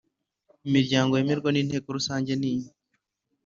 imiryango yemerwa n Inteko Rusange niyi